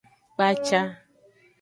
Kpaca.